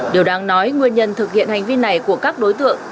điều đáng nói nguyên nhân thực hiện hành vi này của các đối tượng